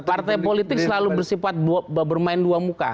partai politik selalu bersifat bermain dua muka